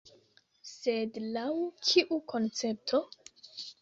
Sed laŭ kiu koncepto?